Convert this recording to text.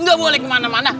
gak boleh kemana mana